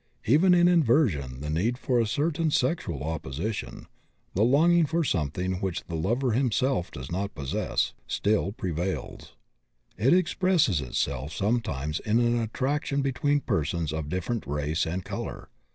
Even in inversion the need for a certain sexual opposition the longing for something which the lover himself does not possess still prevails. It expresses itself sometimes in an attraction between persons of different race and color.